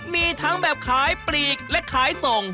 มีทั้งแบบขายปลีกและขายส่ง